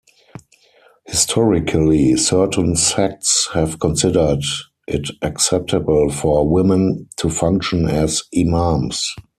Historically, certain sects have considered it acceptable for women to function as imams.